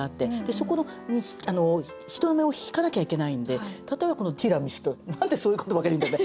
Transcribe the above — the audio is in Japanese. そこに人目を引かなきゃいけないんで例えば「ティラミス」と何でそういうことばかり言うんだろうね。